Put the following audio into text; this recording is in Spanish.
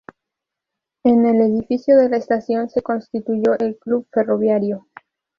En el edificio de la estación se constituyó un club ferroviario.